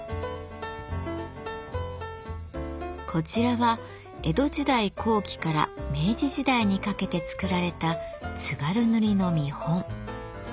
こちらは江戸時代後期から明治時代にかけて作られた津軽塗の見本。